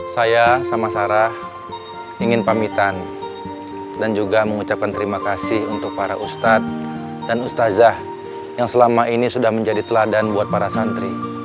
saya sama sarah ingin pamitan dan juga mengucapkan terima kasih untuk para ustadz dan ustazah yang selama ini sudah menjadi teladan buat para santri